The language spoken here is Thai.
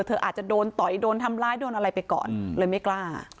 อาจจะโดนต่อยโดนทำร้ายโดนอะไรไปก่อนเลยไม่กล้า